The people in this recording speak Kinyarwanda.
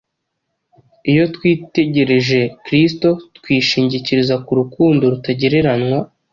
Iyo twitegereje Kristo, twishingikiriza ku rukundo rutagereranywa.